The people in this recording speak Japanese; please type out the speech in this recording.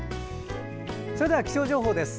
それでは気象情報です。